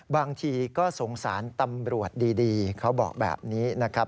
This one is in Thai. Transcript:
บางทีก็สงสารตำรวจดีเขาบอกแบบนี้นะครับ